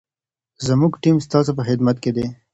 زموږ ټیم ستاسو په خدمت کي دی.